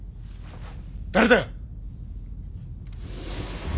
誰だ！